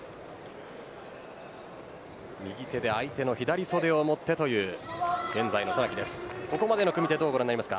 右手で相手の左袖を持ってという現在の渡名喜です。